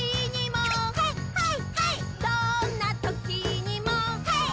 「どんなときにも」「ハイ！